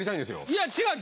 いや違う。